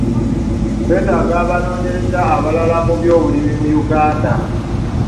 Twetaaga abanoonyereza abalala mu by'obulimi mu Uganda.